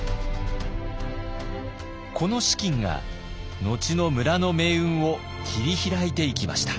この資金が後の村の命運を切り開いていきました。